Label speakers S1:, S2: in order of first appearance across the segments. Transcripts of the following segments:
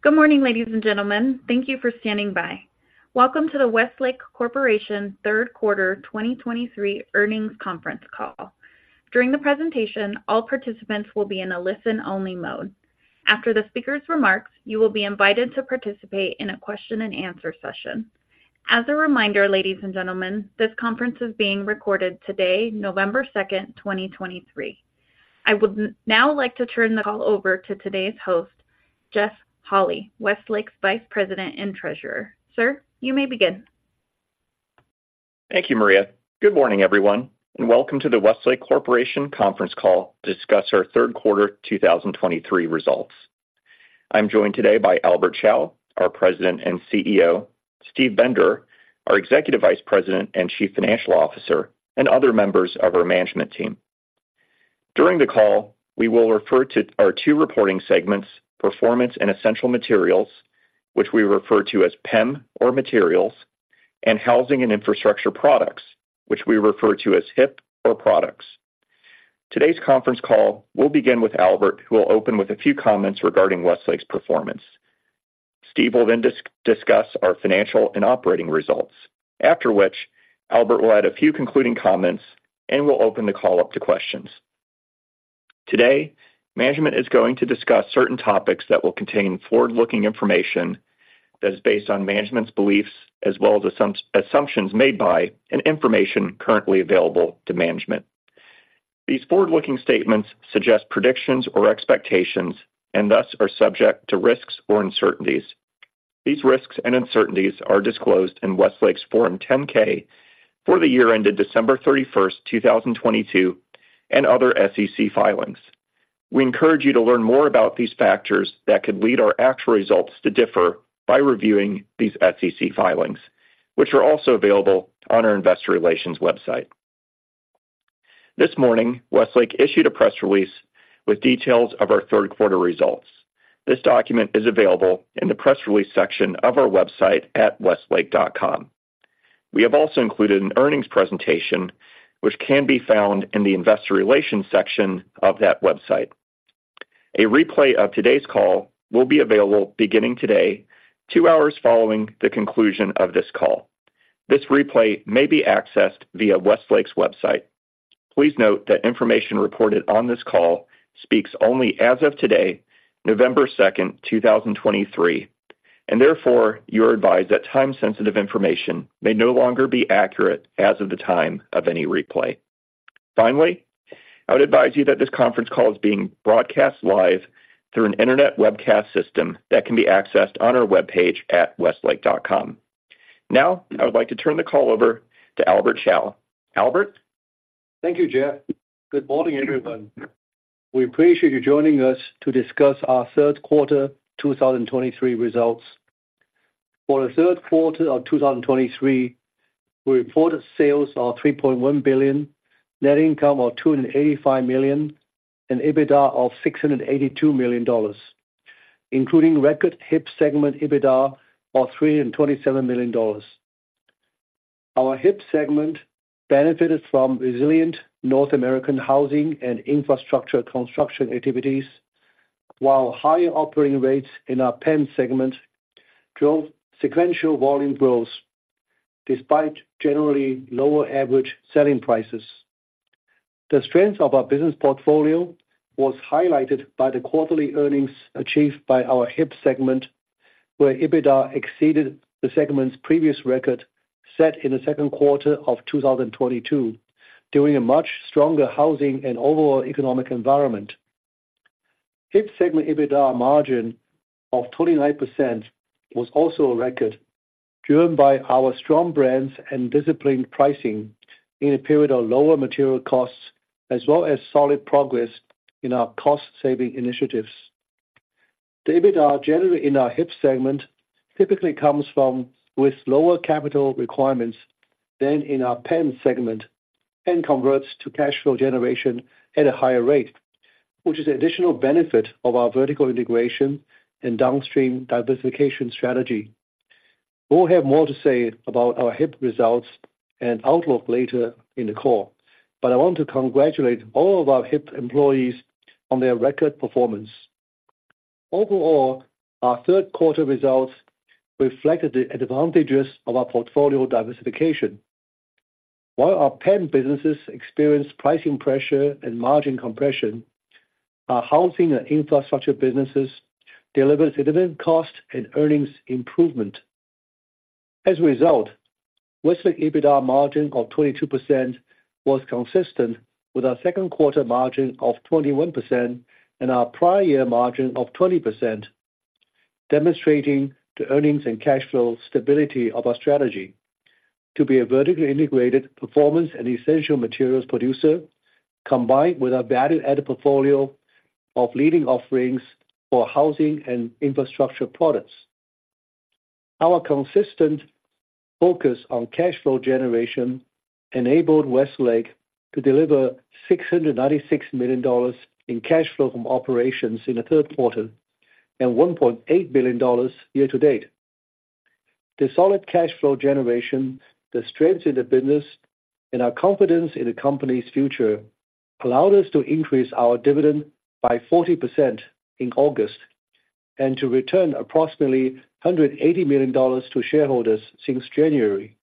S1: Good morning, ladies and gentlemen. Thank you for standing by. Welcome to the Westlake Corporation third quarter 2023 earnings conference call. During the presentation, all participants will be in a listen-only mode. After the speaker's remarks, you will be invited to participate in a question-and-answer session. As a reminder, ladies and gentlemen, this conference is being recorded today, November 2nd, 2023. I would now like to turn the call over to today's host, Jeff Holy, Westlake's Vice President and Treasurer. Sir, you may begin.
S2: Thank you, Maria. Good morning, everyone, and welcome to the Westlake Corporation conference call to discuss our third quarter 2023 results. I'm joined today by Albert Chao, our President and CEO, Steve Bender, our Executive Vice President and Chief Financial Officer, and other members of our management team. During the call, we will refer to our two reporting segments, Performance and Essential Materials, which we refer to as PEM or Materials, and Housing and Infrastructure Products, which we refer to as HIP or Products. Today's conference call will begin with Albert, who will open with a few comments regarding Westlake's performance. Steve will then discuss our financial and operating results, after which Albert will add a few concluding comments and will open the call up to questions. Today, management is going to discuss certain topics that will contain forward-looking information that is based on management's beliefs, as well as assumptions made by, and information currently available to management. These forward-looking statements suggest predictions or expectations and thus are subject to risks or uncertainties. These risks and uncertainties are disclosed in Westlake's Form 10-K for the year ended December 31st, 2022, and other SEC filings. We encourage you to learn more about these factors that could lead our actual results to differ by reviewing these SEC filings, which are also available on our investor relations website. This morning, Westlake issued a press release with details of our third quarter results. This document is available in the press release section of our website at westlake.com. We have also included an earnings presentation, which can be found in the Investor Relations section of that website. A replay of today's call will be available beginning today, two hours following the conclusion of this call. This replay may be accessed via Westlake's website. Please note that information reported on this call speaks only as of today, November 2nd, 2023, and therefore, you are advised that time-sensitive information may no longer be accurate as of the time of any replay. Finally, I would advise you that this conference call is being broadcast live through an internet webcast system that can be accessed on our webpage at westlake.com. Now, I would like to turn the call over to Albert Chao. Albert?
S3: Thank you, Jeff. Good morning, everyone. We appreciate you joining us to discuss our third quarter 2023 results. For the third quarter of 2023, we reported sales of $3.1 billion, net income of $285 million, and EBITDA of $682 million, including record HIP segment EBITDA of $327 million. Our HIP segment benefited from resilient North American housing and infrastructure construction activities, while higher operating rates in our PEM segment drove sequential volume growth, despite generally lower average selling prices. The strength of our business portfolio was highlighted by the quarterly earnings achieved by our HIP segment, where EBITDA exceeded the segment's previous record, set in the second quarter of 2022, during a much stronger housing and overall economic environment. HIP segment EBITDA margin of 29% was also a record, driven by our strong brands and disciplined pricing in a period of lower material costs, as well as solid progress in our cost-saving initiatives. The EBITDA, generally in our HIP segment, typically comes from with lower capital requirements than in our PEM segment and converts to cash flow generation at a higher rate, which is an additional benefit of our vertical integration and downstream diversification strategy. We'll have more to say about our HIP results and outlook later in the call, but I want to congratulate all of our HIP employees on their record performance. Overall, our third quarter results reflected the advantages of our portfolio diversification. While our PEM businesses experienced pricing pressure and margin compression, our housing and infrastructure businesses delivered significant cost and earnings improvement. As a result, Westlake EBITDA margin of 22% was consistent with our second quarter margin of 21% and our prior year margin of 20%, demonstrating the earnings and cash flow stability of our strategy to be a vertically integrated performance and essential materials producer, combined with our value-added portfolio of leading offerings for housing and infrastructure products. Our consistent focus on cash flow generation enabled Westlake to deliver $696 million in cash flow from operations in the third quarter and $1.8 billion year to date. The solid cash flow generation, the strength in the business, and our confidence in the company's future allowed us to increase our dividend by 40% in August, and to return approximately $180 million to shareholders since January.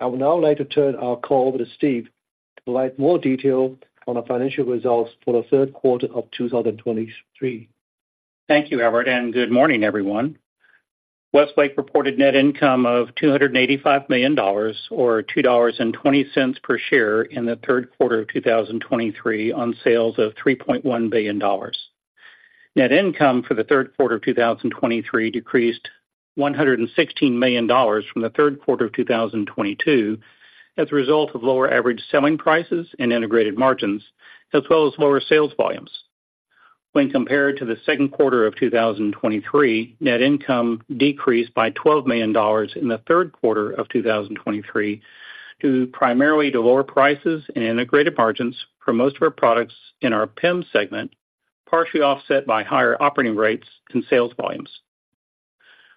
S3: I would now like to turn our call over to Steve to highlight more detail on our financial results for the third quarter of 2023.
S4: Thank you, Albert, and good morning, everyone. Westlake reported net income of $285 million or $2.20 per share in the third quarter of 2023 on sales of $3.1 billion. Net income for the third quarter of 2023 decreased $116 million from the third quarter of 2022, as a result of lower average selling prices and integrated margins, as well as lower sales volumes. When compared to the second quarter of 2023, net income decreased by $12 million in the third quarter of 2023, due primarily to lower prices and integrated margins for most of our products in our PEM segment, partially offset by higher operating rates and sales volumes.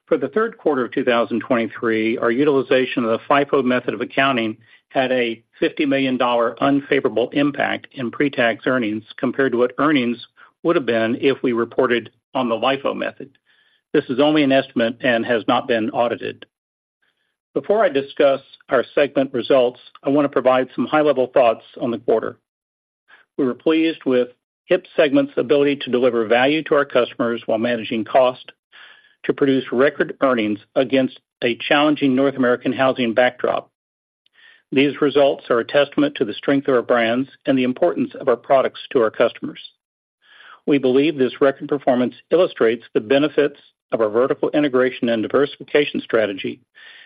S4: For the third quarter of 2023, our utilization of the FIFO method of accounting had a $50 million unfavorable impact in pre-tax earnings compared to what earnings would have been if we reported on the LIFO method. This is only an estimate and has not been audited. Before I discuss our segment results, I wanna provide some high-level thoughts on the quarter. We were pleased with HIP segment's ability to deliver value to our customers while managing cost, to produce record earnings against a challenging North American housing backdrop. These results are a testament to the strength of our brands and the importance of our products to our customers. We believe this record performance illustrates the benefits of our vertical integration and diversification strategy,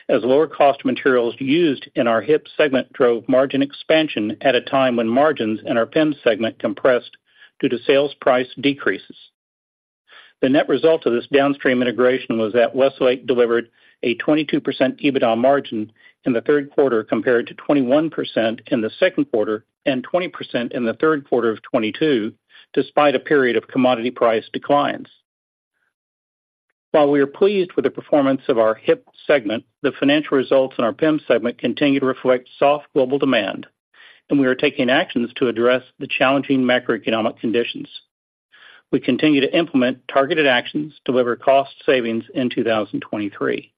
S4: as lower cost materials used in our HIP segment drove margin expansion at a time when margins in our PEM segment compressed due to sales price decreases. The net result of this downstream integration was that Westlake delivered a 22% EBITDA margin in the third quarter, compared to 21% in the second quarter and 20% in the third quarter of 2022, despite a period of commodity price declines. While we are pleased with the performance of our HIP segment, the financial results in our PEM segment continue to reflect soft global demand, and we are taking actions to address the challenging macroeconomic conditions. We continue to implement targeted actions, deliver cost savings in 2023.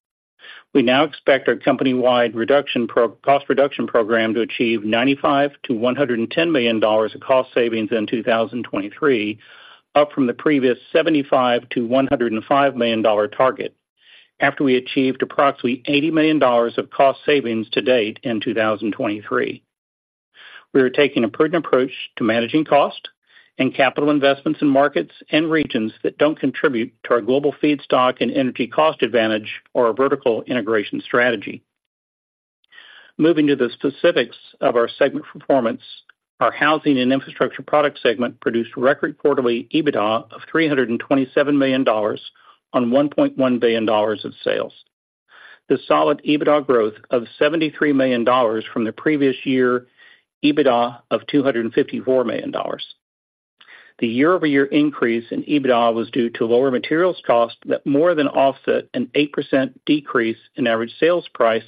S4: We now expect our company-wide cost reduction program to achieve $95 million-$110 million of cost savings in 2023, up from the previous $75 million-$105 million target, after we achieved approximately $80 million of cost savings to date in 2023. We are taking a prudent approach to managing cost and capital investments in markets and regions that don't contribute to our global feedstock and energy cost advantage or our vertical integration strategy. Moving to the specifics of our segment performance, our housing and infrastructure product segment produced record quarterly EBITDA of $327 million on $1.1 billion of sales. The solid EBITDA growth of $73 million from the previous year EBITDA of $254 million. The year-over-year increase in EBITDA was due to lower materials cost that more than offset an 8% decrease in average sales price,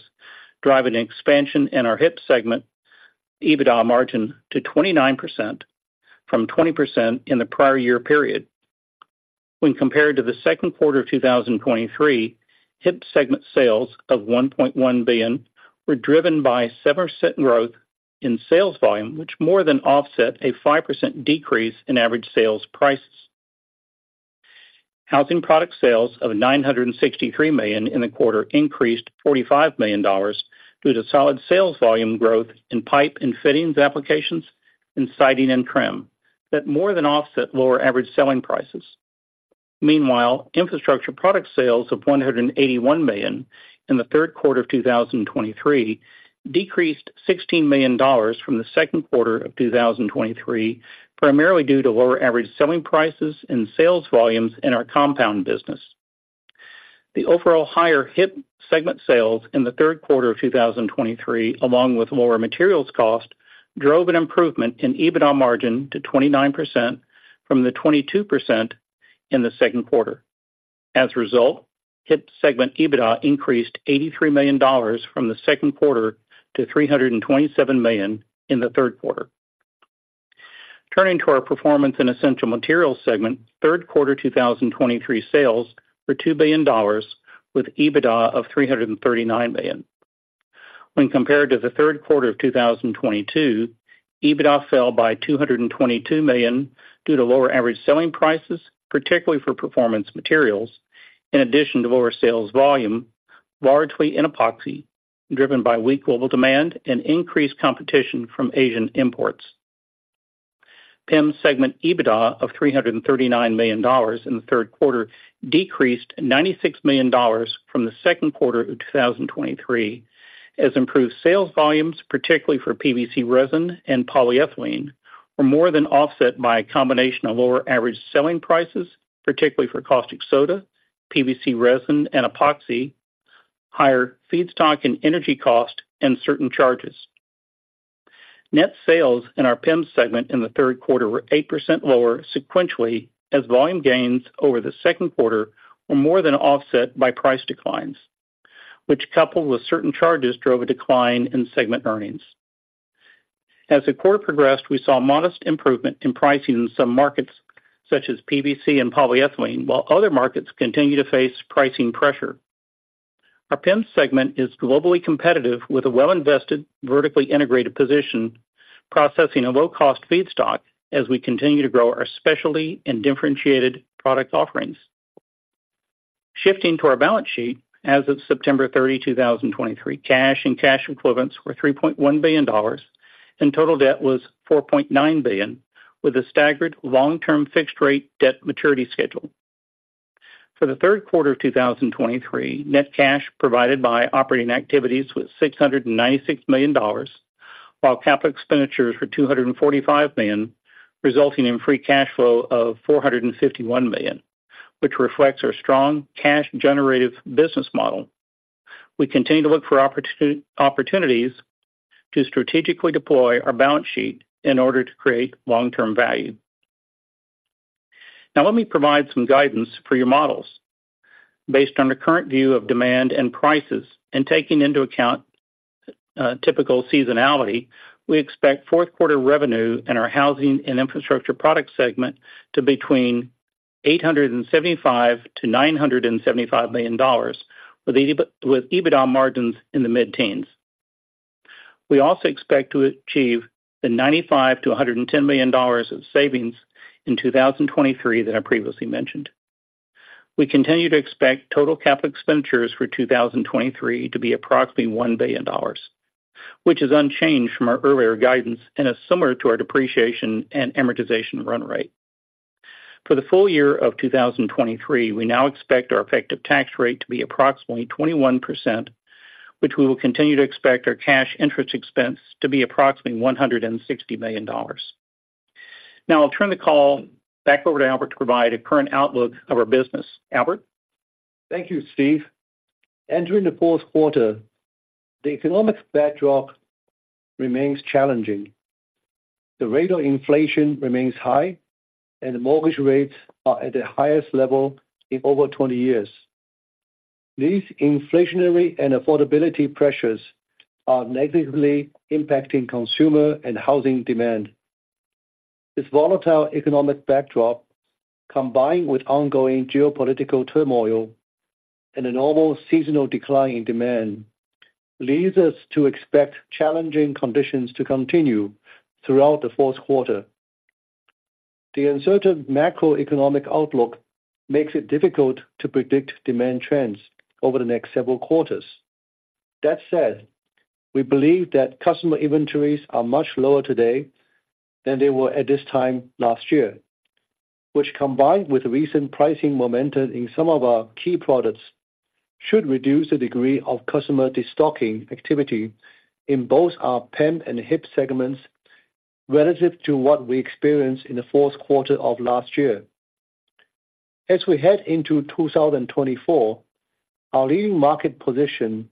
S4: driving an expansion in our HIP segment EBITDA margin to 29% from 20% in the prior year period. When compared to the second quarter of 2023, HIP segment sales of $1.1 billion were driven by 7% growth in sales volume, which more than offset a 5% decrease in average sales prices. Housing product sales of $963 million in the quarter increased $45 million due to solid sales volume growth in pipe and fittings applications and siding and trim. That more than offset lower average selling prices. Meanwhile, infrastructure product sales of $181 million in the third quarter of 2023 decreased $16 million from the second quarter of 2023, primarily due to lower average selling prices and sales volumes in our compound business. The overall higher HIP segment sales in the third quarter of 2023, along with lower materials cost, drove an improvement in EBITDA margin to 29% from the 22% in the second quarter. As a result, HIP segment EBITDA increased $83 million from the second quarter to $327 million in the third quarter. Turning to our performance in Essential Materials segment, third quarter 2023 sales were $2 billion, with EBITDA of $339 million. When compared to the third quarter of 2022, EBITDA fell by $222 million due to lower average selling prices, particularly for performance materials, in addition to lower sales volume, largely in epoxy, driven by weak global demand and increased competition from Asian imports. PEM segment EBITDA of $339 million in the third quarter decreased $96 million from the second quarter of 2023, as improved sales volumes, particularly for PVC resin and polyethylene, were more than offset by a combination of lower average selling prices, particularly for caustic soda, PVC resin and epoxy, higher feedstock and energy cost, and certain charges.... Net sales in our PEM segment in the third quarter were 8% lower sequentially, as volume gains over the second quarter were more than offset by price declines, which, coupled with certain charges, drove a decline in segment earnings. As the quarter progressed, we saw modest improvement in pricing in some markets, such as PVC and polyethylene, while other markets continue to face pricing pressure. Our PEM segment is globally competitive, with a well-invested, vertically integrated position, processing a low-cost feedstock as we continue to grow our specialty and differentiated product offerings. Shifting to our balance sheet, as of September 30, 2023, cash and cash equivalents were $3.1 billion, and total debt was $4.9 billion, with a staggered long-term fixed rate debt maturity schedule. For the third quarter of 2023, net cash provided by operating activities was $696 million, while capital expenditures were $245 million, resulting in free cash flow of $451 million, which reflects our strong cash generative business model. We continue to look for opportunities to strategically deploy our balance sheet in order to create long-term value. Now, let me provide some guidance for your models. Based on the current view of demand and prices, and taking into account typical seasonality, we expect fourth quarter revenue in our housing and infrastructure product segment to between $875 million-$975 million, with EBITDA margins in the mid-teens. We also expect to achieve the $95 million-$110 million of savings in 2023 that I previously mentioned. We continue to expect total capital expenditures for 2023 to be approximately $1 billion, which is unchanged from our earlier guidance and is similar to our depreciation and amortization run rate. For the full year of 2023, we now expect our effective tax rate to be approximately 21%, which we will continue to expect our cash interest expense to be approximately $160 million. Now I'll turn the call back over to Albert to provide a current outlook of our business. Albert?
S3: Thank you, Steve. Entering the fourth quarter, the economic backdrop remains challenging. The rate of inflation remains high, and the mortgage rates are at the highest level in over 20 years. These inflationary and affordability pressures are negatively impacting consumer and housing demand. This volatile economic backdrop, combined with ongoing geopolitical turmoil and a normal seasonal decline in demand, leads us to expect challenging conditions to continue throughout the fourth quarter. The uncertain macroeconomic outlook makes it difficult to predict demand trends over the next several quarters. That said, we believe that customer inventories are much lower today than they were at this time last year, which, combined with recent pricing momentum in some of our key products, should reduce the degree of customer destocking activity in both our PEM and HIP segments relative to what we experienced in the fourth quarter of last year. As we head into 2024, our leading market position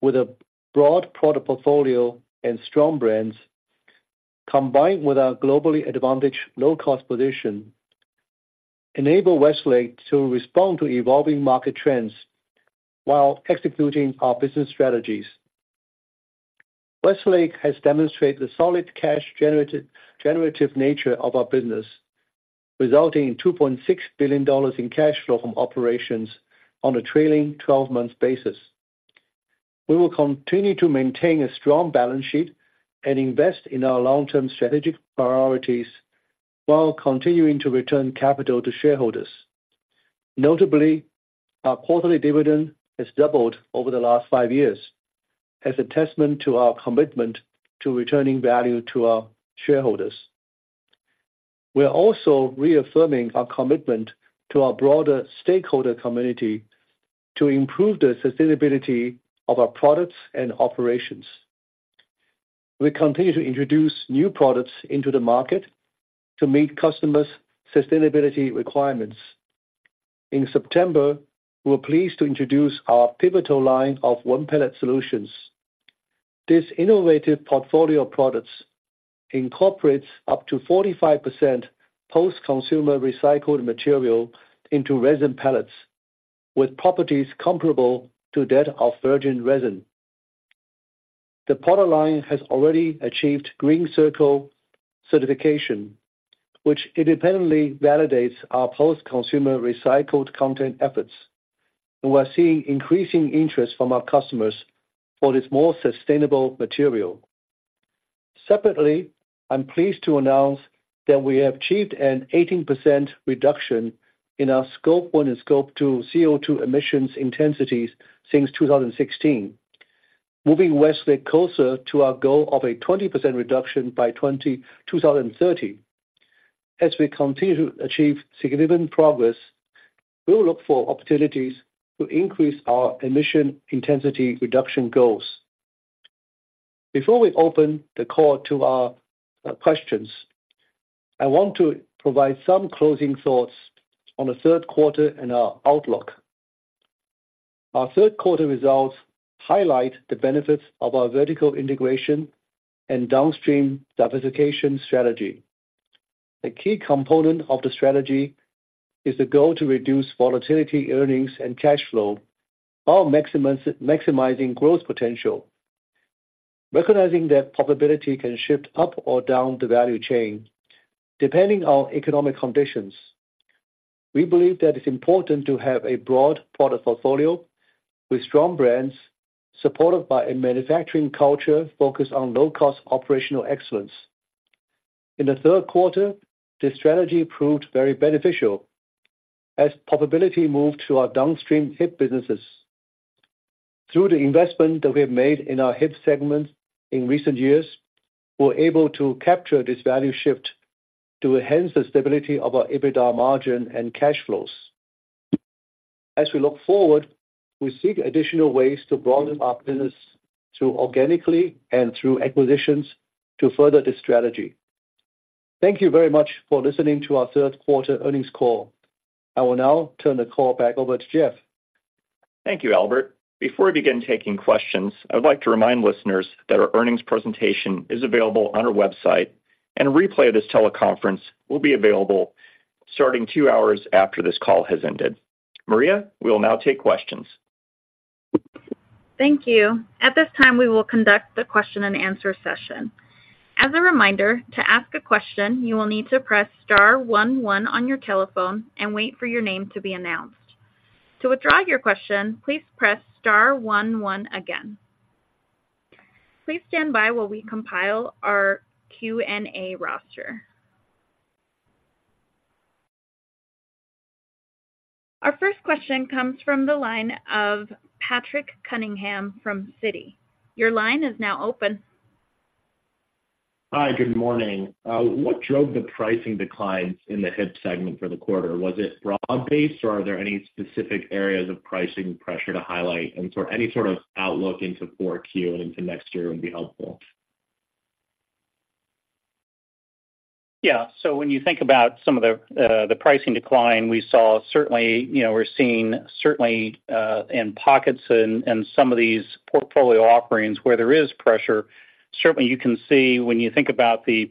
S3: with a broad product portfolio and strong brands, combined with our globally advantaged low-cost position, enable Westlake to respond to evolving market trends while executing our business strategies. Westlake has demonstrated the solid cash generative nature of our business, resulting in $2.6 billion in cash flow from operations on a trailing 12-month basis. We will continue to maintain a strong balance sheet and invest in our long-term strategic priorities while continuing to return capital to shareholders. Notably, our quarterly dividend has doubled over the last five years as a testament to our commitment to returning value to our shareholders. We are also reaffirming our commitment to our broader stakeholder community to improve the sustainability of our products and operations. We continue to introduce new products into the market to meet customers' sustainability requirements. In September, we were pleased to introduce our Pivotal line of one pellet solutions. This innovative portfolio of products incorporates up to 45% post-consumer recycled material into resin pellets, with properties comparable to that of virgin resin. The product line has already achieved GreenCircle certification, which independently validates our post-consumer recycled content efforts, and we're seeing increasing interest from our customers for this more sustainable material. Separately, I'm pleased to announce that we have achieved an 18% reduction in our Scope 1 and Scope 2 CO2 emissions intensities since 2016, moving Westlake closer to our goal of a 20% reduction by 2030. As we continue to achieve significant progress, we will look for opportunities to increase our emission intensity reduction goals. Before we open the call to our questions, I want to provide some closing thoughts on the third quarter and our outlook. Our third quarter results highlight the benefits of our vertical integration and downstream diversification strategy. A key component of the strategy is the goal to reduce volatility, earnings, and cash flow, while maximizing growth potential. Recognizing that profitability can shift up or down the value chain, depending on economic conditions, we believe that it's important to have a broad product portfolio with strong brands, supported by a manufacturing culture focused on low-cost operational excellence. In the third quarter, this strategy proved very beneficial as profitability moved to our downstream HIP businesses. Through the investment that we have made in our HIP segments in recent years, we're able to capture this value shift to enhance the stability of our EBITDA margin and cash flows. As we look forward, we seek additional ways to broaden our business through organically and through acquisitions to further this strategy. Thank you very much for listening to our third quarter earnings call. I will now turn the call back over to Jeff.
S2: Thank you, Albert. Before we begin taking questions, I would like to remind listeners that our earnings presentation is available on our website, and a replay of this teleconference will be available starting two hours after this call has ended. Maria, we will now take questions.
S1: Thank you. At this time, we will conduct the question-and-answer session. As a reminder, to ask a question, you will need to press star one one on your telephone and wait for your name to be announced. To withdraw your question, please press star one one again. Please stand by while we compile our Q&A roster. Our first question comes from the line of Patrick Cunningham from Citi. Your line is now open.
S5: Hi, good morning. What drove the pricing declines in the HIP segment for the quarter? Was it broad-based, or are there any specific areas of pricing pressure to highlight? And so any sort of outlook into 4Q and into next year would be helpful.
S4: Yeah. So when you think about some of the, the pricing decline we saw, certainly, you know, we're seeing certainly, in pockets and some of these portfolio offerings where there is pressure. Certainly, you can see when you think about the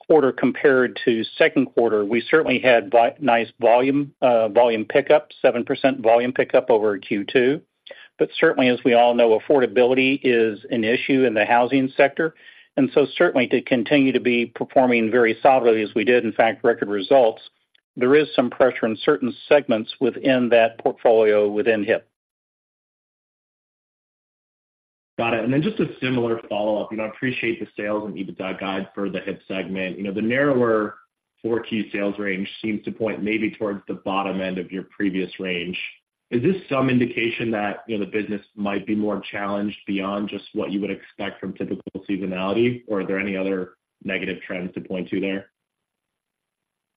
S4: quarter compared to second quarter, we certainly had nice volume, volume pickup, 7% volume pickup over Q2. But certainly, as we all know, affordability is an issue in the housing sector, and so certainly to continue to be performing very solidly as we did, in fact, record results, there is some pressure in certain segments within that portfolio within HIP.
S5: Got it. And then just a similar follow-up. You know, I appreciate the sales and EBITDA guide for the HIP segment. You know, the narrower 4Q sales range seems to point maybe towards the bottom end of your previous range. Is this some indication that, you know, the business might be more challenged beyond just what you would expect from typical seasonality, or are there any other negative trends to point to there?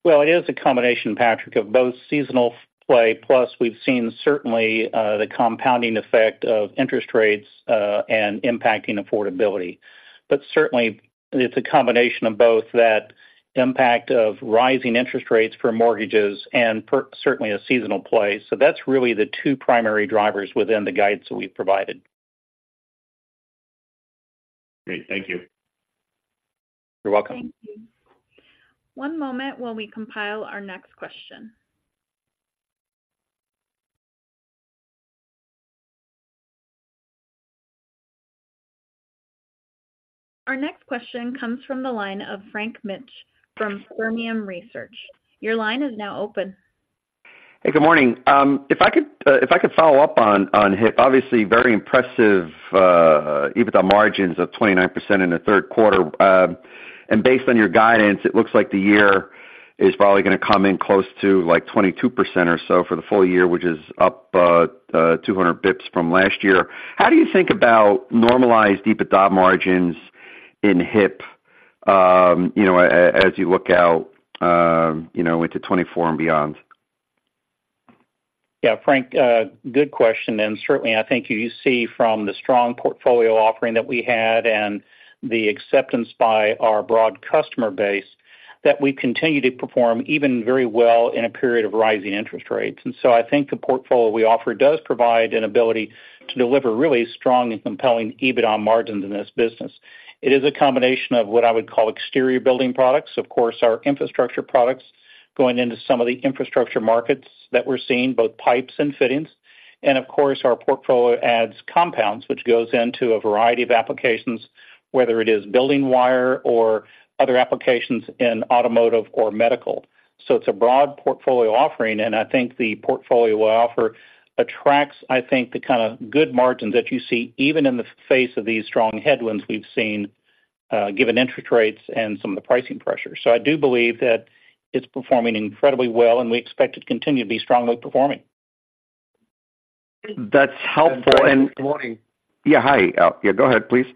S4: Well, it is a combination, Patrick, of both seasonal play, plus we've seen certainly the compounding effect of interest rates and impacting affordability. But certainly, it's a combination of both that impact of rising interest rates for mortgages and certainly a seasonal play. So that's really the two primary drivers within the guides that we've provided.
S5: Great. Thank you.
S4: You're welcome.
S1: Thank you. One moment while we compile our next question. Our next question comes from the line of Frank Mitsch from Fermium Research. Your line is now open.
S6: Hey, good morning. If I could, if I could follow up on, on HIP. Obviously, very impressive, EBITDA margins of 29% in the third quarter. Based on your guidance, it looks like the year is probably gonna come in close to like 22% or so for the full year, which is up, 200 basis points from last year. How do you think about normalized EBITDA margins in HIP, you know, as you look out, you know, into 2024 and beyond?
S4: Yeah, Frank, good question, and certainly, I think you see from the strong portfolio offering that we had and the acceptance by our broad customer base, that we continue to perform even very well in a period of rising interest rates. And so I think the portfolio we offer does provide an ability to deliver really strong and compelling EBITDA margins in this business. It is a combination of what I would call exterior building products, of course, our infrastructure products, going into some of the infrastructure markets that we're seeing, both pipes and fittings. And of course, our portfolio adds compounds, which goes into a variety of applications, whether it is building wire or other applications in automotive or medical. It's a broad portfolio offering, and I think the portfolio we offer attracts, I think, the kind of good margins that you see even in the face of these strong headwinds we've seen, given interest rates and some of the pricing pressures. So I do believe that it's performing incredibly well, and we expect it to continue to be strongly performing.
S6: That's helpful.
S3: Good morning.
S6: Yeah, hi. Yeah, go ahead, please.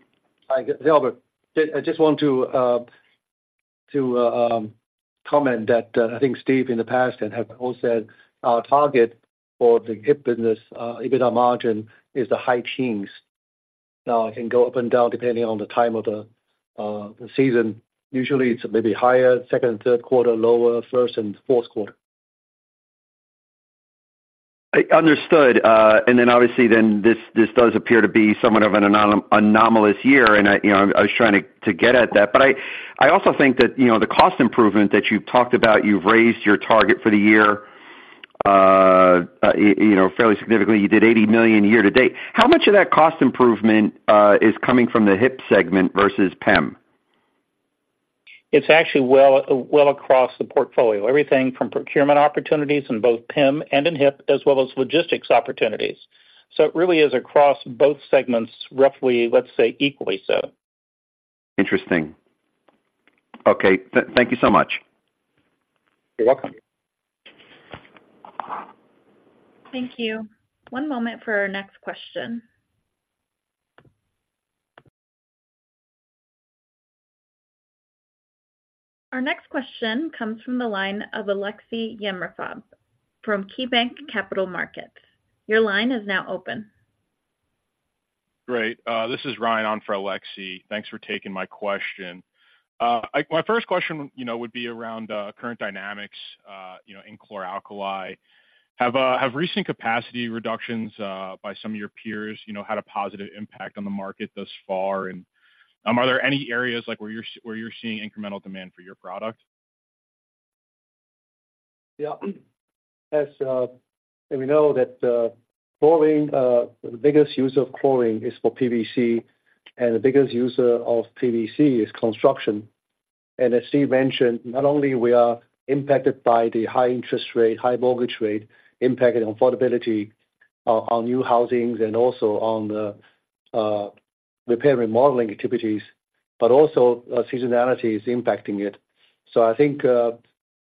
S3: Hi, Albert. I just want to comment that I think Steve, in the past and have all said, our target for the HIP business EBITDA margin is the high teens. Now it can go up and down, depending on the time of the season. Usually, it's maybe higher, second and third quarter, lower, first quarter and fourth quarter.
S6: I understood. And then obviously, this does appear to be somewhat of an anomalous year, and you know, I was trying to get at that. But I also think that, you know, the cost improvement that you talked about, you've raised your target for the year, you know, fairly significantly. You did $80 million year to date. How much of that cost improvement is coming from the HIP segment versus PEM?
S4: It's actually well, well across the portfolio. Everything from procurement opportunities in both PEM and in HIP, as well as logistics opportunities. So it really is across both segments, roughly, let's say, equally so.
S6: Interesting. Okay, thank you so much.
S4: You're welcome.
S1: Thank you. One moment for our next question. Our next question comes from the line of Aleksey Yefremov from KeyBanc Capital Markets. Your line is now open.
S7: Great, this is Ryan on for Aleksey. Thanks for taking my question. My first question, you know, would be around current dynamics, you know, in Chlor-alkali. Have recent capacity reductions by some of your peers, you know, had a positive impact on the market thus far? And are there any areas like where you're seeing incremental demand for your product?
S3: Yeah. As we know that chlorine, the biggest user of chlorine is for PVC, and the biggest user of PVC is construction. And as Steve mentioned, not only we are impacted by the high interest rate, high mortgage rate impacting affordability on new housings and also on the repair remodeling activities, but also seasonality is impacting it. So I think the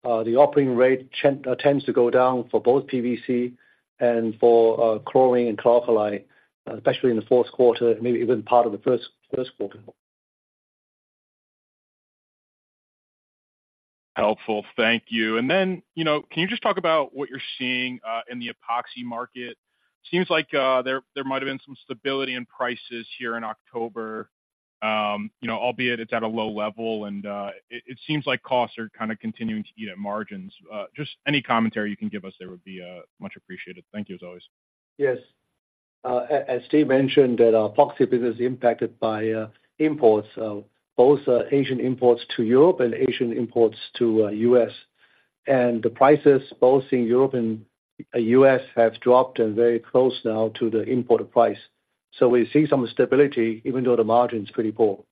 S3: operating rate tends to go down for both PVC and for Chlorine and Chlor-alkali, especially in the fourth quarter, maybe even part of the first quarter.
S7: Helpful. Thank you. And then, you know, can you just talk about what you're seeing in the epoxy market? Seems like there might have been some stability in prices here in October. You know, albeit it's at a low level, and it seems like costs are kind of continuing to eat at margins. Just any commentary you can give us there would be much appreciated. Thank you, as always.
S3: Yes. As Steve mentioned, that our epoxy business is impacted by imports, both Asian imports to Europe and Asian imports to U.S. The prices, both in Europe and U.S., have dropped and very close now to the import price. We see some stability, even though the margin is pretty poor.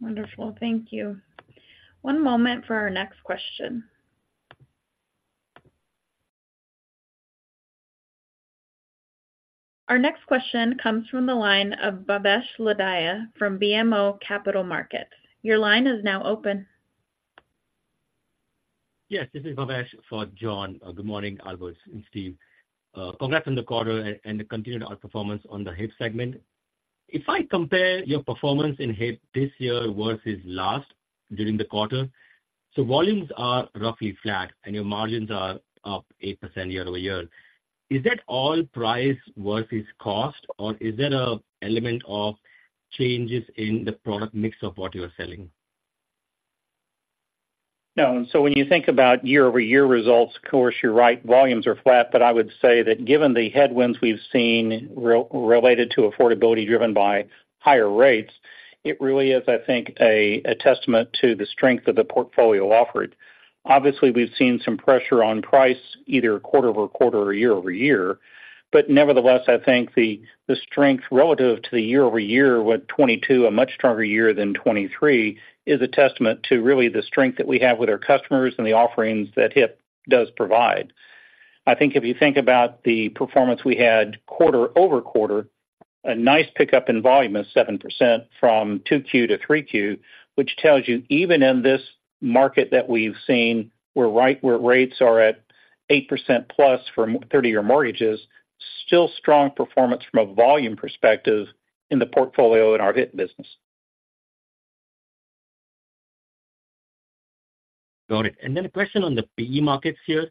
S1: Wonderful. Thank you. One moment for our next question. Our next question comes from the line of Bhavesh Lodaya from BMO Capital Markets. Your line is now open.
S8: Yes, this is Bhavesh for John. Good morning, Albert and Steve. Congrats on the quarter and the continued outperformance on the HIP segment. If I compare your performance in HIP this year versus last, during the quarter, so volumes are roughly flat, and your margins are up 8% year-over-year. Is that all price versus cost, or is there an element of changes in the product mix of what you are selling?
S4: No, so when you think about year-over-year results, of course, you're right, volumes are flat. But I would say that given the headwinds we've seen related to affordability driven by higher rates, it really is, I think, a testament to the strength of the portfolio offered. Obviously, we've seen some pressure on price either quarter-over-quarter or year-over-year. But nevertheless, I think the strength relative to the year-over-year, with 2022 a much stronger year than 2023, is a testament to really the strength that we have with our customers and the offerings that HIP does provide. I think if you think about the performance we had quarter-over-quarter, a nice pickup in volume of 7% from 2Q to 3Q, which tells you, even in this market that we've seen, where right, where rates are at 8%+ for 30-year mortgages, still strong performance from a volume perspective in the portfolio in our HIP business.
S8: Got it. And then a question on the PE markets here.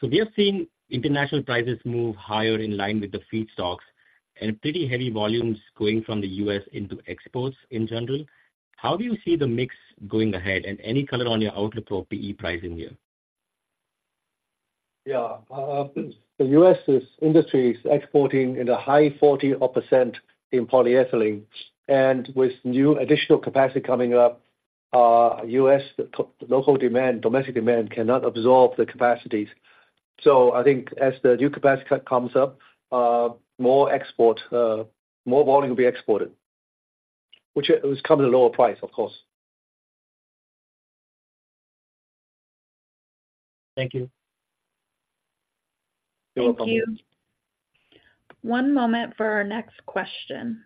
S8: So we are seeing international prices move higher in line with the feedstocks and pretty heavy volumes going from the U.S. into exports in general. How do you see the mix going ahead, and any color on your outlook for PE pricing year?
S3: Yeah, the U.S.'s industry is exporting in the high 40-odd% in polyethylene. And with new additional capacity coming up, U.S. local demand, domestic demand cannot absorb the capacities. So I think as the new capacity cut comes up, more export, more volume will be exported, which it was coming at a lower price, of course.
S8: Thank you.
S3: You're welcome.
S1: Thank you. One moment for our next question.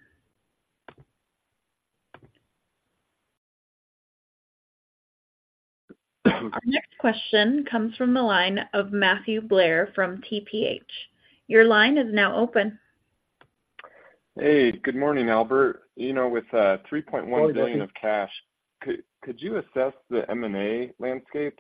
S1: Our next question comes from the line of Matthew Blair from TPH. Your line is now open.
S9: Hey, good morning, Albert. You know, with $3.1 billion of cash, could you assess the M&A landscape?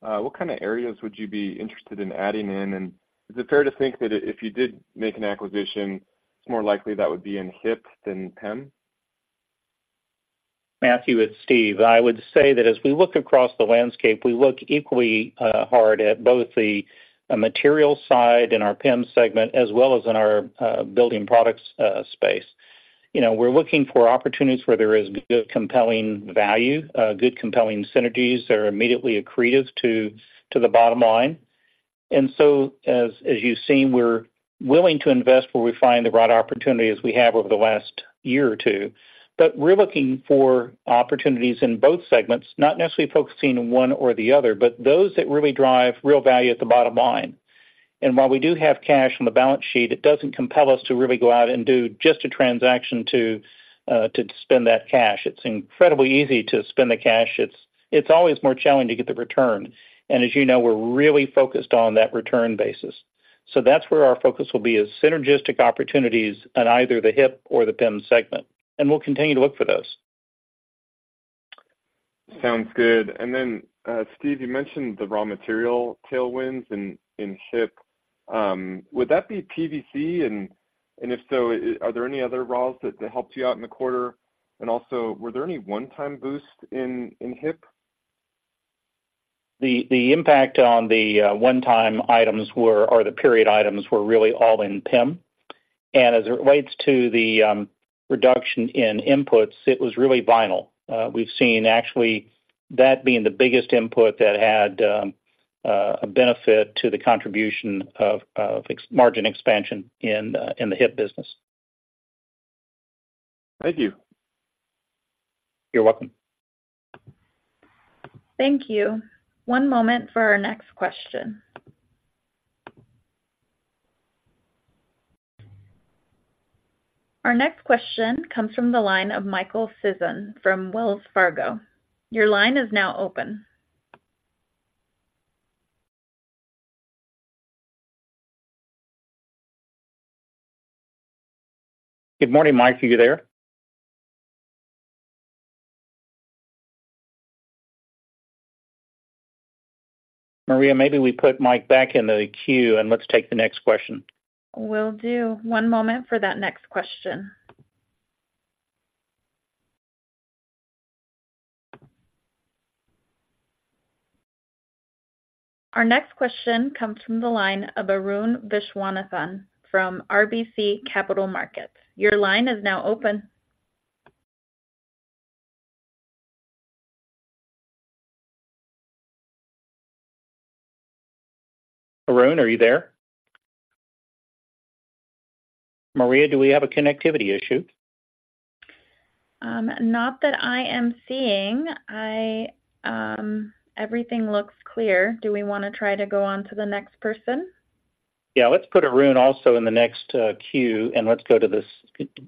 S9: What kind of areas would you be interested in adding in? And is it fair to think that if you did make an acquisition, it's more likely that would be in HIP than PEM?
S4: Matthew, it's Steve. I would say that as we look across the landscape, we look equally hard at both the material side in our PEM segment as well as in our building products space. You know, we're looking for opportunities where there is good, compelling value, good, compelling synergies that are immediately accretive to the bottom line. And so as you've seen, we're willing to invest where we find the right opportunities we have over the last year or two. But we're looking for opportunities in both segments, not necessarily focusing on one or the other, but those that really drive real value at the bottom line. And while we do have cash on the balance sheet, it doesn't compel us to really go out and do just a transaction to spend that cash. It's incredibly easy to spend the cash. It's always more challenging to get the return, and as you know, we're really focused on that return basis. That's where our focus will be as synergistic opportunities on either the HIP or the PEM segment, and we'll continue to look for those.
S9: Sounds good. And then, Steve, you mentioned the raw material tailwinds in, in HIP. Would that be PVC? And, and if so, are there any other raws that helped you out in the quarter? And also, were there any one-time boosts in, in HIP?
S4: The impact on the one-time items were, or the period items were really all in PEM. And as it relates to the reduction in inputs, it was really vinyl. We've seen actually that being the biggest input that had a benefit to the contribution of margin expansion in the HIP business.
S9: Thank you.
S4: You're welcome.
S1: Thank you. One moment for our next question. Our next question comes from the line of Michael Sisson from Wells Fargo. Your line is now open.
S4: Good morning, Mike. Are you there? Maria, maybe we put Mike back in the queue, and let's take the next question.
S1: Will do. One moment for that next question. Our next question comes from the line of Arun Viswanathan from RBC Capital Markets. Your line is now open.
S4: Arun, are you there? Maria, do we have a connectivity issue?
S1: Not that I am seeing. I, everything looks clear. Do we want to try to go on to the next person?
S4: Yeah, let's put Arun also in the next queue, and let's go to this,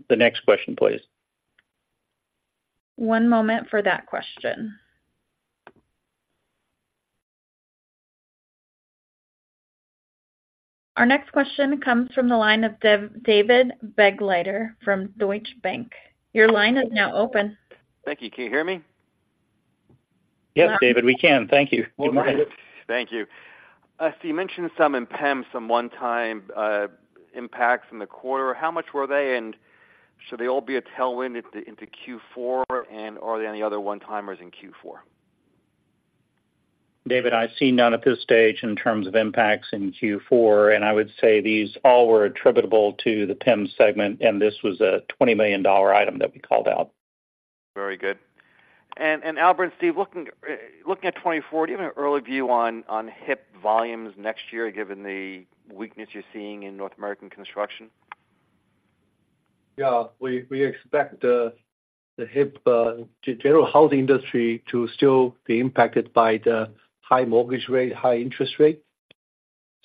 S4: the next question, please.
S1: One moment for that question. Our next question comes from the line of David Begleiter from Deutsche Bank. Your line is now open.
S10: Thank you. Can you hear me?
S4: Yes, David, we can. Thank you.
S10: Thank you. So you mentioned some in PEM, some one-time, impacts in the quarter. How much were they, and should they all be a tailwind into, into Q4, and are there any other one-timers in Q4?
S4: David, I see none at this stage in terms of impacts in Q4, and I would say these all were attributable to the PEM segment, and this was a $20 million item that we called out.
S10: Very good. And Albert and Steve, looking at 2024, do you have an early view on HIP volumes next year, given the weakness you're seeing in North American construction?
S3: Yeah. We expect the HIP general housing industry to still be impacted by the high mortgage rate, high interest rate.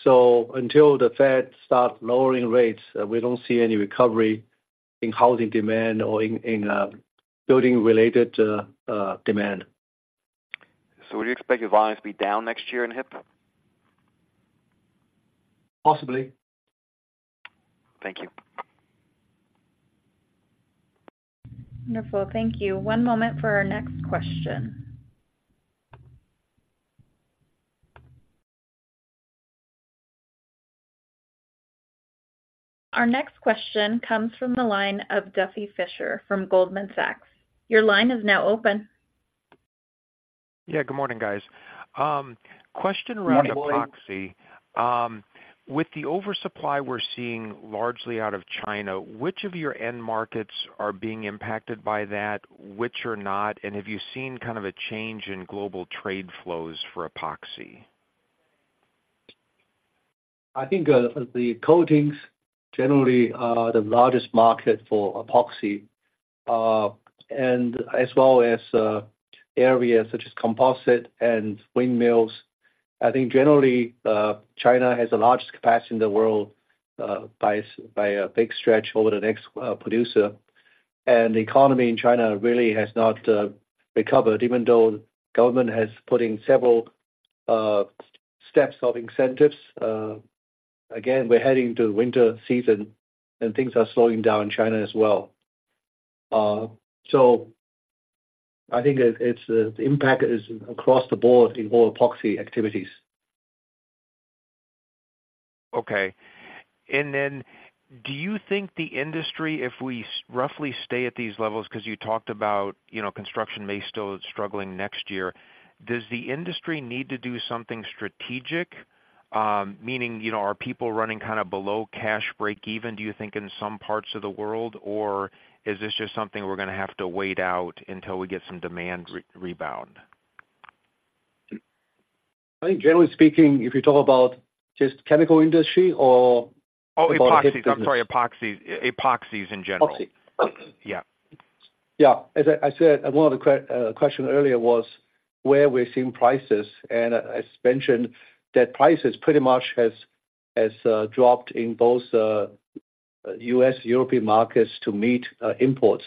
S3: So until the Fed starts lowering rates, we don't see any recovery in housing demand or in building-related demand.
S10: Would you expect your volumes to be down next year in HIP?
S3: Possibly.
S10: Thank you.
S1: Wonderful. Thank you. One moment for our next question. Our next question comes from the line of Duffy Fischer from Goldman Sachs. Your line is now open.
S11: Yeah, good morning, guys. Question around-
S3: Good morning.
S11: Epoxy. With the oversupply we're seeing largely out of China, which of your end markets are being impacted by that, which are not, and have you seen kind of a change in global trade flows for epoxy?
S3: I think, the coatings generally are the largest market for epoxy, and as well as, areas such as composite and windmills. I think generally, China has the largest capacity in the world, by a big stretch over the next producer. And the economy in China really has not recovered, even though the government has put in several steps of incentives. Again, we're heading to winter season, and things are slowing down in China as well. So I think it, it's the impact is across the board in all epoxy activities.
S11: Okay. And then do you think the industry, if we roughly stay at these levels, 'cause you talked about, you know, construction may still struggling next year, does the industry need to do something strategic? Meaning, you know, are people running kind of below cash breakeven, do you think, in some parts of the world, or is this just something we're gonna have to wait out until we get some demand rebound?
S3: I think generally speaking, if you talk about just chemical industry or-
S11: Oh, epoxies. I'm sorry, epoxy, epoxies in general.
S3: Epoxy.
S11: Yeah.
S3: Yeah. As I said, one of the questions earlier was where we're seeing prices, and as mentioned, that prices pretty much has dropped in both U.S. European markets to meet imports.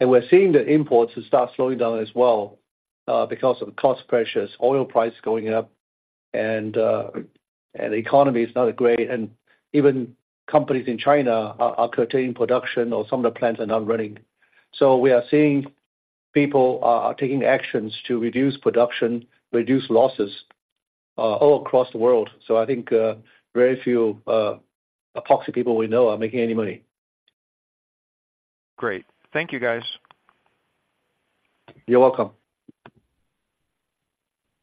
S3: And we're seeing the imports start slowing down as well because of cost pressures, oil price going up, and the economy is not great, and even companies in China are curtailing production, or some of the plants are not running. So we are seeing people taking actions to reduce production, reduce losses all across the world. So I think very few epoxy people we know are making any money.
S11: Great. Thank you, guys.
S3: You're welcome.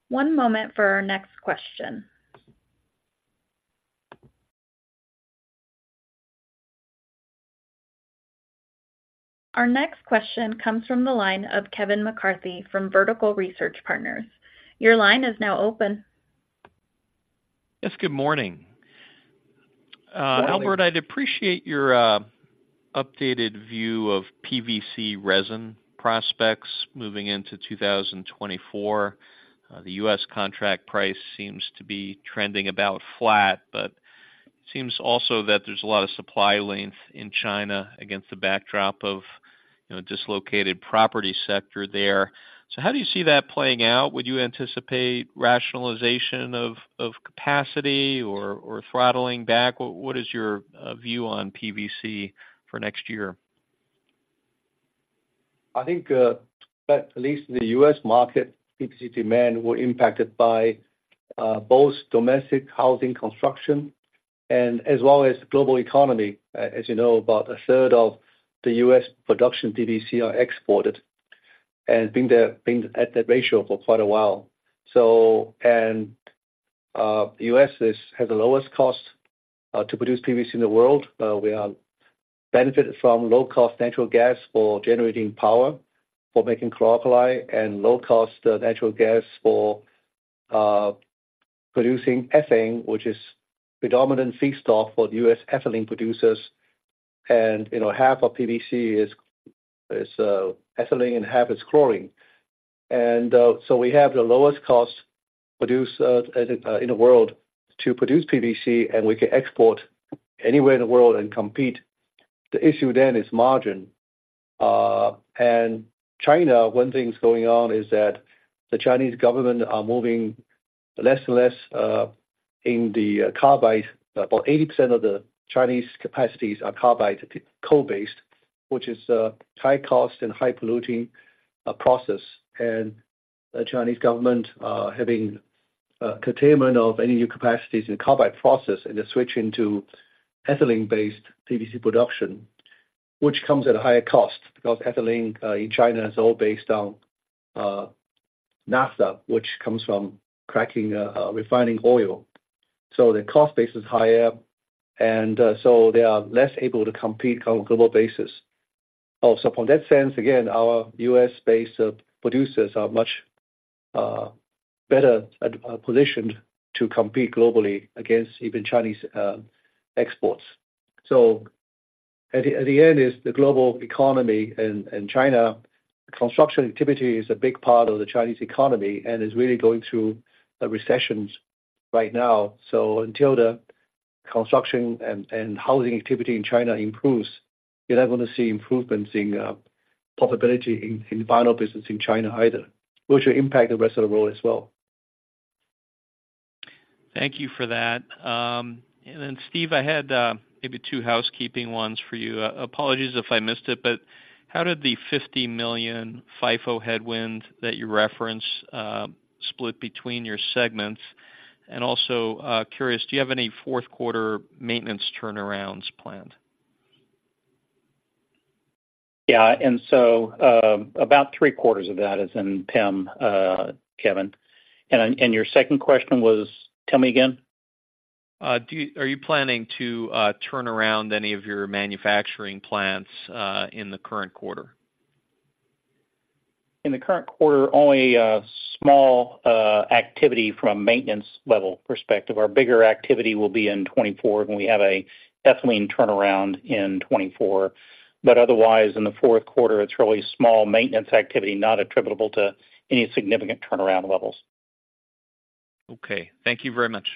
S1: One moment for our next question. Our next question comes from the line of Kevin McCarthy from Vertical Research Partners. Your line is now open.
S12: Yes, good morning.
S3: Good morning.
S12: Albert, I'd appreciate your updated view of PVC resin prospects moving into 2024. The U.S. contract price seems to be trending about flat, but seems also that there's a lot of supply length in China against the backdrop of, you know, dislocated property sector there. So how do you see that playing out? Would you anticipate rationalization of capacity or throttling back? What is your view on PVC for next year?
S3: I think, at least in the U.S. market, PVC demand were impacted by, both domestic housing construction and as well as the global economy. As you know, about a third of the U.S. production PVC are exported, and been at that ratio for quite a while. So, U.S. has the lowest cost to produce PVC in the world. We are benefited from low-cost natural gas for generating power, for making Chlor-alkali, and low-cost natural gas for producing ethane, which is predominant feedstock for the U.S. ethylene producers. And, you know, half of PVC is ethylene, and half is chlorine. And, so we have the lowest cost producer in the world to produce PVC, and we can export anywhere in the world and compete. The issue then is margin. China, one thing is going on, is that the Chinese government are moving less and less in the carbide. About 80% of the Chinese capacities are carbide-based, which is a high-cost and high-polluting process. And the Chinese government having containment of any new capacities in the carbide process, and they're switching to ethylene-based PVC production, which comes at a higher cost, because ethylene in China is all based on naphtha, which comes from cracking refining oil. So the cost base is higher, and so they are less able to compete on a global basis. Also, from that sense, again, our US-based producers are much better positioned to compete globally against even Chinese exports. So at the end is the global economy, and China construction activity is a big part of the Chinese economy and is really going through a recession right now. So until the construction and housing activity in China improves, you're not gonna see improvements in profitability in vinyl business in China either, which will impact the rest of the world as well.
S12: Thank you for that. And then, Steve, I had maybe two housekeeping ones for you. Apologies if I missed it, but how did the $50 million FIFO headwind that you referenced split between your segments? And also, curious, do you have any fourth quarter maintenance turnarounds planned?
S4: Yeah, and so, about three-quarters of that is in PEM, Kevin. And, and your second question was? Tell me again.
S12: Are you planning to turn around any of your manufacturing plants in the current quarter?
S4: In the current quarter, only a small activity from a maintenance level perspective. Our bigger activity will be in 2024, when we have an ethylene turnaround in 2024. But otherwise, in the fourth quarter, it's really small maintenance activity, not attributable to any significant turnaround levels.
S12: Okay. Thank you very much....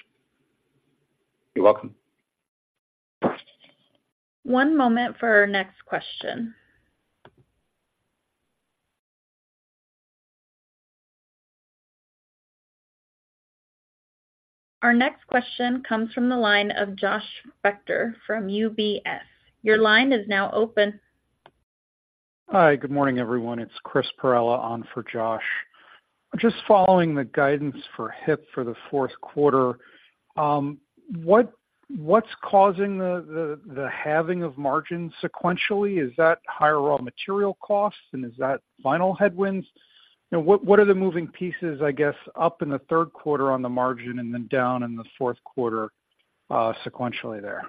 S4: You're welcome.
S1: One moment for our next question. Our next question comes from the line of Josh Spector from UBS. Your line is now open.
S13: Hi, good morning, everyone. It's Chris Perrella on for Josh. Just following the guidance for HIP for the fourth quarter, what, what's causing the halving of margins sequentially? Is that higher raw material costs, and is that final headwinds? You know, what are the moving pieces, I guess, up in the third quarter on the margin and then down in the fourth quarter, sequentially there?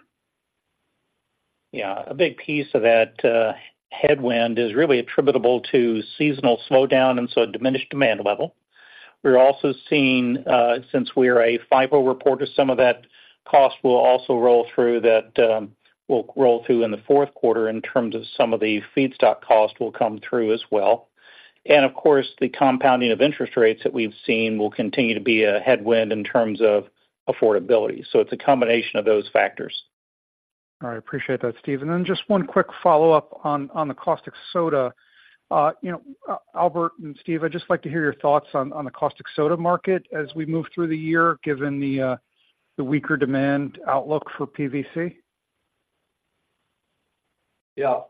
S4: Yeah. A big piece of that, headwind is really attributable to seasonal slowdown and so a diminished demand level. We're also seeing, since we're a FIFO reporter, some of that cost will also roll through that, will roll through in the fourth quarter in terms of some of the feedstock cost will come through as well. And of course, the compounding of interest rates that we've seen will continue to be a headwind in terms of affordability. So it's a combination of those factors.
S13: All right, appreciate that, Steve. And then just one quick follow-up on the caustic soda. You know, Albert and Steve, I'd just like to hear your thoughts on the caustic soda market as we move through the year, given the weaker demand outlook for PVC.
S3: Yeah,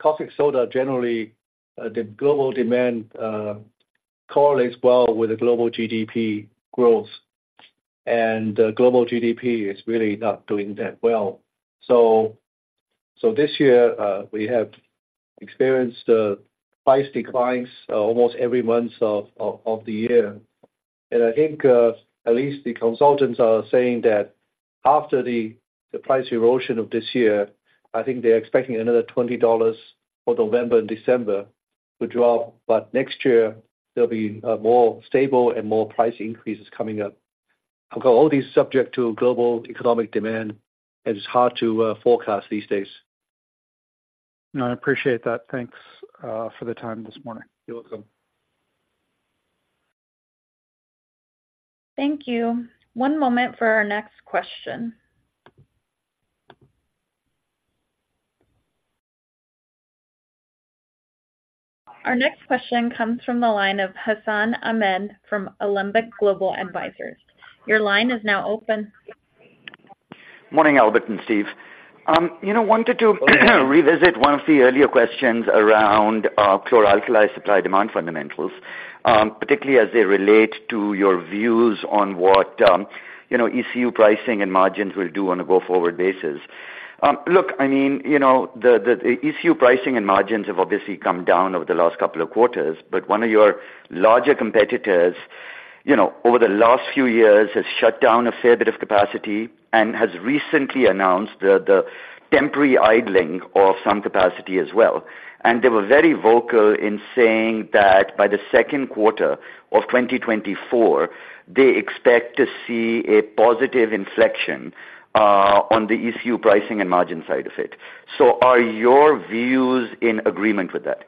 S3: caustic soda, generally, the global demand correlates well with the global GDP growth, and global GDP is really not doing that well. So this year, we have experienced price declines almost every month of the year. And I think, at least the consultants are saying that after the price erosion of this year, I think they're expecting another $20 for November and December to drop. But next year, there'll be more stable and more price increases coming up. Of course, all these subject to global economic demand, and it's hard to forecast these days.
S13: I appreciate that. Thanks, for the time this morning.
S3: You're welcome.
S1: Thank you. One moment for our next question. Our next question comes from the line of Hassan Ahmed from Alembic Global Advisors. Your line is now open.
S14: Morning, Albert and Steve. You know, wanted to revisit one of the earlier questions around, Chlor-alkali supply-demand fundamentals, particularly as they relate to your views on what, you know, ECU pricing and margins will do on a go-forward basis. Look, I mean, you know, the, the ECU pricing and margins have obviously come down over the last couple of quarters, but one of your larger competitors, you know, over the last few years, has shut down a fair bit of capacity and has recently announced the, the temporary idling of some capacity as well. And they were very vocal in saying that by the second quarter of 2024, they expect to see a positive inflection, on the ECU pricing and margin side of it. So are your views in agreement with that?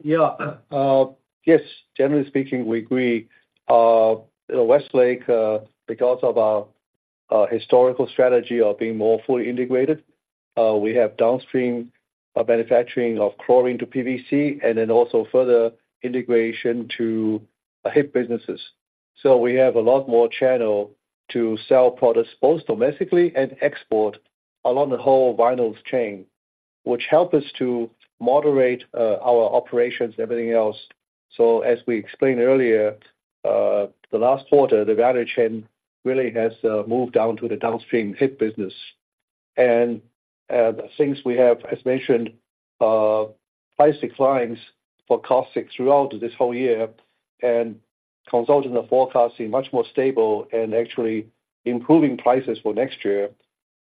S3: Yeah. Yes, generally speaking, we agree. Westlake, because of our historical strategy of being more fully integrated, we have downstream manufacturing of chlorine to PVC and then also further integration to HIP businesses. So we have a lot more channel to sell products, both domestically and export, along the whole vinyls chain, which help us to moderate our operations and everything else. So as we explained earlier, the last quarter, the value chain really has moved down to the downstream HIP business. And since we have, as mentioned, price declines for caustic throughout this whole year, and consultants are forecasting much more stable and actually improving prices for next year,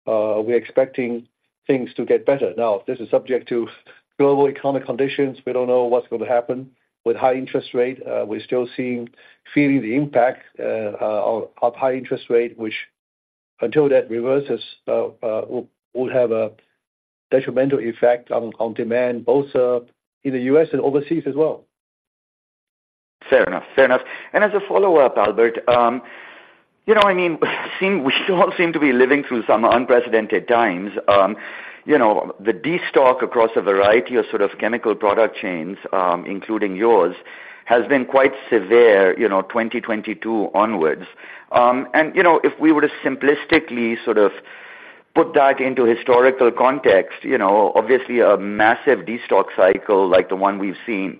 S3: we're expecting things to get better. Now, this is subject to global economic conditions. We don't know what's going to happen. With high interest rate, we're still seeing, feeling the impact of high interest rate, which, until that reverses, will have a detrimental effect on demand, both in the U.S. and overseas as well.
S14: Fair enough. Fair enough. And as a follow-up, Albert, you know, I mean, we sure seem to be living through some unprecedented times. You know, the destock across a variety of sort of chemical product chains, including yours, has been quite severe, you know, 2022 onwards. And you know, if we were to simplistically sort of put that into historical context, you know, obviously a massive destock cycle like the one we've seen,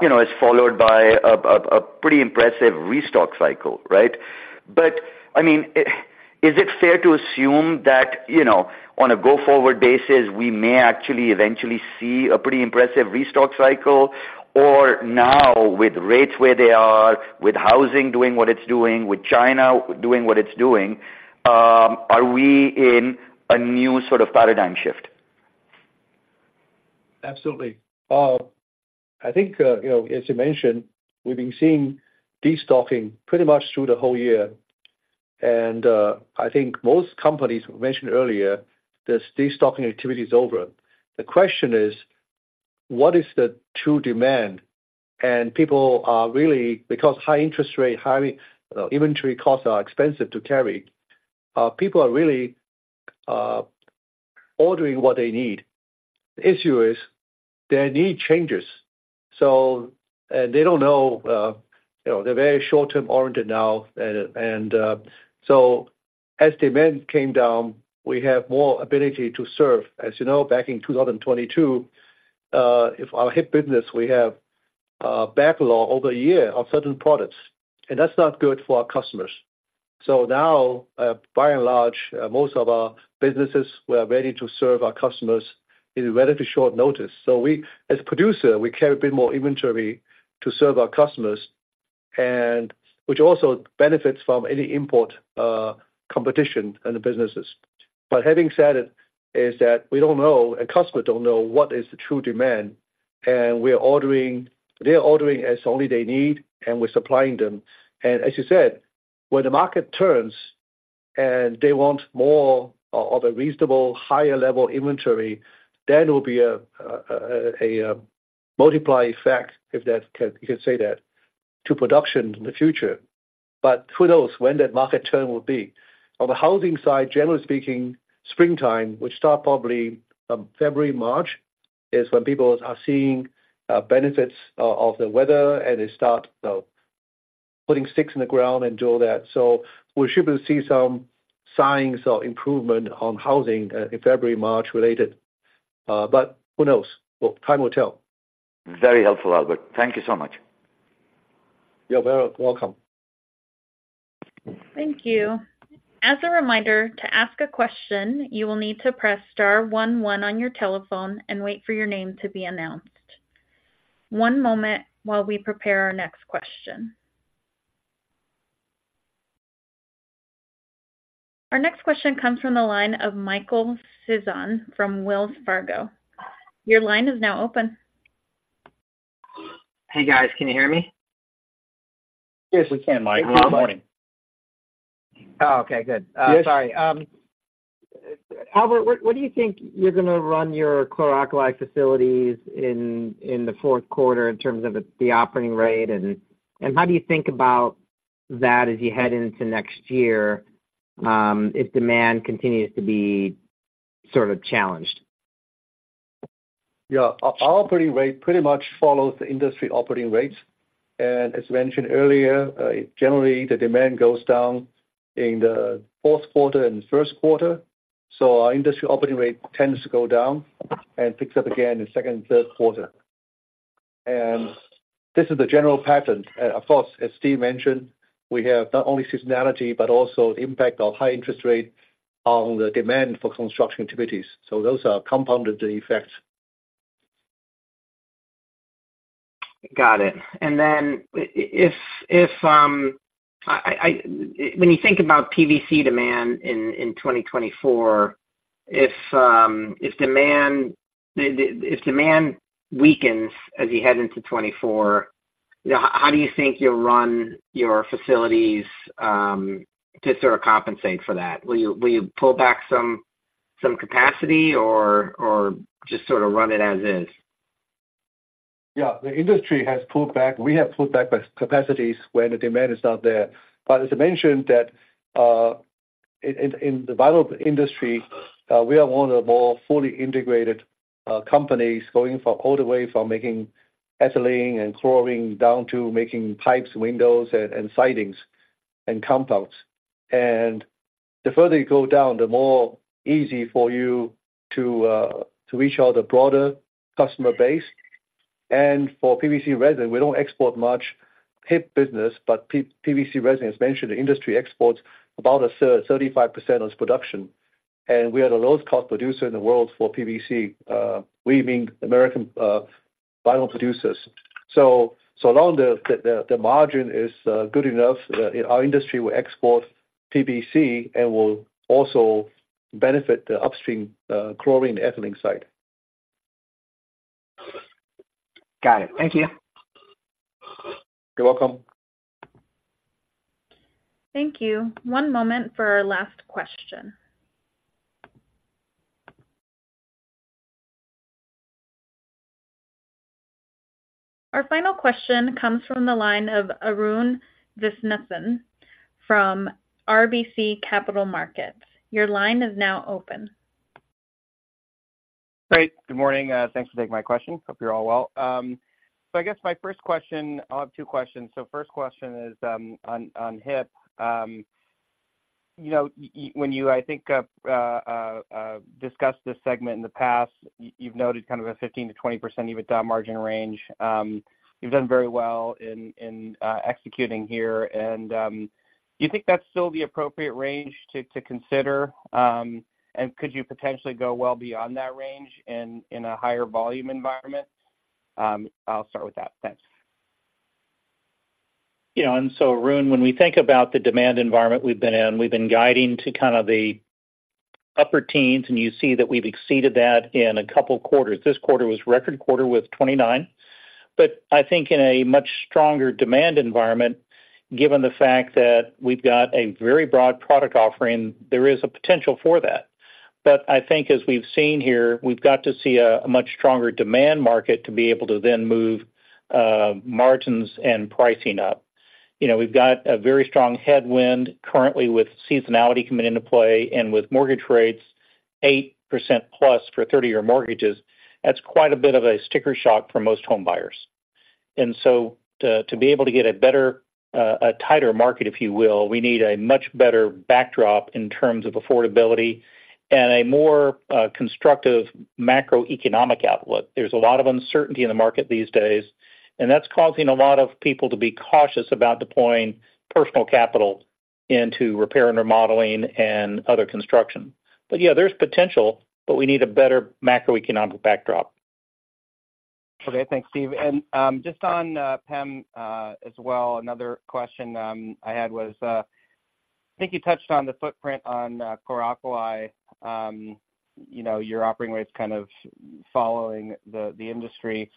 S14: you know, is followed by a pretty impressive restock cycle, right? But, I mean, is it fair to assume that, you know, on a go-forward basis, we may actually eventually see a pretty impressive restock cycle? Or now, with rates where they are, with housing doing what it's doing, with China doing what it's doing, are we in a new sort of paradigm shift?
S3: Absolutely. I think, you know, as you mentioned, we've been seeing destocking pretty much through the whole year, and I think most companies mentioned earlier, this destocking activity is over. The question is, what is the true demand? And people are really, because high interest rate, high, inventory costs are expensive to carry, people are really, ordering what they need. The issue is their need changes, so, and they don't know, you know, they're very short-term oriented now. And so as demand came down, we have more ability to serve. As you know, back in 2022, if our HIP business, we have, backlog over a year on certain products, and that's not good for our customers. So now, by and large, most of our businesses, we are ready to serve our customers in relatively short notice. So we, as producer, we carry a bit more inventory to serve our customers, and which also benefits from any import competition and the businesses. But having said it, is that we don't know, and customers don't know what is the true demand, and we are ordering—they are ordering as only they need, and we're supplying them. And as you said, when the market turns and they want more of a reasonable higher level inventory, then there will be a multiplier effect, if that you can say that, to production in the future. But who knows when that market turn will be? On the housing side, generally speaking, springtime, which start probably from February, March, is when people are seeing, benefits of the weather, and they start, putting sticks in the ground and do all that. So we should be see some signs of improvement on housing, in February, March related. But who knows? Well, time will tell.
S4: Very helpful, Albert. Thank you so much.
S3: You're very welcome.
S1: Thank you. As a reminder, to ask a question, you will need to press star one one on your telephone and wait for your name to be announced. One moment while we prepare our next question. Our next question comes from the line of Michael Sison from Wells Fargo. Your line is now open.
S15: Hey, guys. Can you hear me?
S3: Yes, we can, Mike. Good morning.
S15: Oh, okay, good.
S3: Yes.
S15: Sorry. Albert, what do you think you're gonna run your Chlor-alkali facilities in the fourth quarter in terms of the operating rate, and how do you think about that as you head into next year, if demand continues to be sort of challenged?
S3: Yeah. Our operating rate pretty much follows the industry operating rates. As mentioned earlier, generally, the demand goes down in the fourth quarter and first quarter, so our industry operating rate tends to go down and picks up again in the second and third quarter. This is the general pattern. Of course, as Steve mentioned, we have not only seasonality, but also impact of high interest rate on the demand for construction activities. So those are compounded effects.
S15: Got it. And then when you think about PVC demand in 2024, if demand weakens as you head into 2024, you know, how do you think you'll run your facilities to sort of compensate for that? Will you pull back some capacity or just sort of run it as is?
S3: Yeah. The industry has pulled back. We have pulled back capacities when the demand is not there. But as I mentioned that, in the vinyl industry, we are one of the more fully integrated companies going all the way from making ethylene and chlorine, down to making pipes, windows, and sidings and compounds. And the further you go down, the more easy for you to reach out a broader customer base. And for PVC resin, we don't export much HIP business, but PVC resin, as mentioned, the industry exports about 35% of its production, and we are the lowest cost producer in the world for PVC, even among American vinyl producers. So long as the margin is good enough, our industry will export PVC and will also benefit the upstream chlorine/ethylene side.
S15: Got it. Thank you.
S3: You're welcome.
S1: Thank you. One moment for our last question. Our final question comes from the line of Arun Viswanathan from RBC Capital Markets. Your line is now open.
S16: Great. Good morning. Thanks for taking my question. Hope you're all well. So I guess my first question... I'll have two questions. So first question is, on HIP. You know, when you, I think, discussed this segment in the past, you've noted kind of a 15%-20% EBITDA margin range. You've done very well in executing here. And do you think that's still the appropriate range to consider? And could you potentially go well beyond that range in a higher volume environment? I'll start with that. Thanks.
S4: You know, and so, Arun, when we think about the demand environment we've been in, we've been guiding to kind of the upper teens, and you see that we've exceeded that in a couple quarters. This quarter was record quarter with 29%.... But I think in a much stronger demand environment, given the fact that we've got a very broad product offering, there is a potential for that. But I think as we've seen here, we've got to see a much stronger demand market to be able to then move margins and pricing up. You know, we've got a very strong headwind currently with seasonality coming into play and with mortgage rates 8%+ for 30-year mortgages, that's quite a bit of a sticker shock for most homebuyers. And so to be able to get a better, a tighter market, if you will, we need a much better backdrop in terms of affordability and a more constructive macroeconomic outlook. There's a lot of uncertainty in the market these days, and that's causing a lot of people to be cautious about deploying personal capital into repair and remodeling and other construction. But yeah, there's potential, but we need a better macroeconomic backdrop.
S16: Okay, thanks, Steve. And, just on, PEM, as well, another question, I had was, I think you touched on the footprint on, Chlor-alkali. You know, you're operating rates kind of following the, the industry.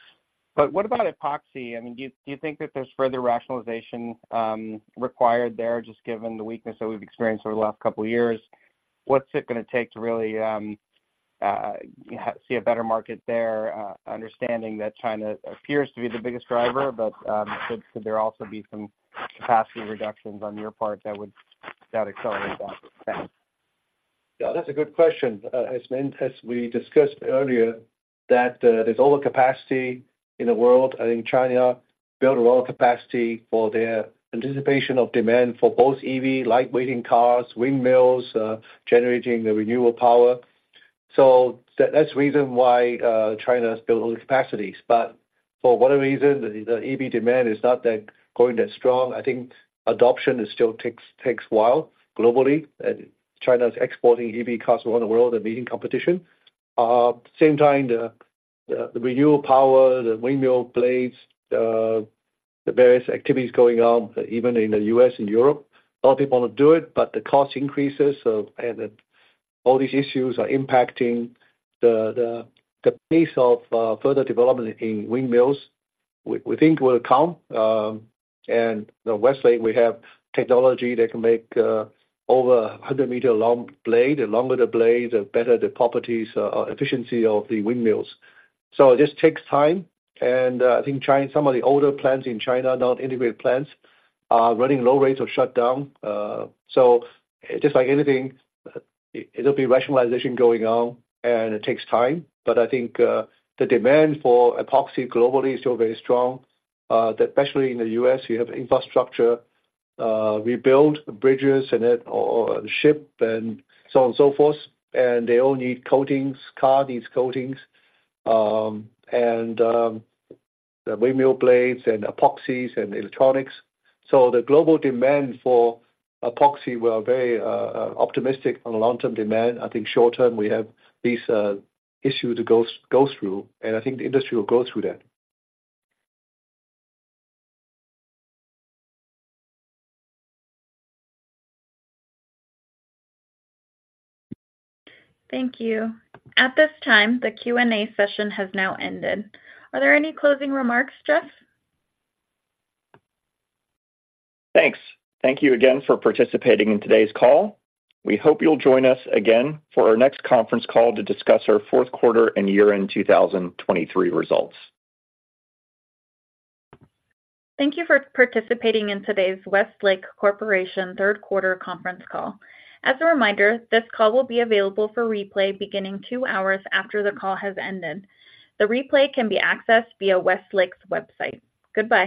S16: But what about Epoxy? I mean, do you, do you think that there's further rationalization, required there, just given the weakness that we've experienced over the last couple of years? What's it gonna take to really, see a better market there, understanding that China appears to be the biggest driver, but, could, could there also be some capacity reductions on your part that would, that accelerate that? Thanks.
S3: Yeah, that's a good question. As we discussed earlier, that there's overcapacity in the world, and in China, build overcapacity for their anticipation of demand for both EV, lightweighting cars, windmills, generating the renewable power. So that's the reason why, China has built all these capacities. But for whatever reason, the EV demand is not that going that strong. I think adoption it still takes a while globally, and China is exporting EV cars all over the world and meeting competition. Same time, the renewable power, the windmill blades, the various activities going on, even in the U.S. and Europe, a lot of people want to do it, but the cost increases. So and all these issues are impacting the pace of further development in windmills. We think will come, and at Westlake, we have technology that can make over 100 m long blade. The longer the blades, the better the properties or efficiency of the windmills. So it just takes time. And, I think China, some of the older plants in China, not integrated plants, are running low rates or shut down. So just like anything, it'll be rationalization going on, and it takes time. But I think, the demand for epoxy globally is still very strong. Especially in the U.S., you have infrastructure. We build the bridges and it, or, or the ship and so on and so forth, and they all need coatings, car needs coatings, and, the windmill blades and epoxies and electronics. So the global demand for epoxy, we are very, optimistic on the long-term demand. I think short-term, we have these issues to go through, and I think the industry will go through that.
S1: Thank you. At this time, the Q&A session has now ended. Are there any closing remarks, Jeff?
S2: Thanks. Thank you again for participating in today's call. We hope you'll join us again for our next conference call to discuss our fourth quarter and year-end 2023 results.
S1: Thank you for participating in today's Westlake Corporation third quarter conference call. As a reminder, this call will be available for replay beginning two hours after the call has ended. The replay can be accessed via Westlake's website. Goodbye.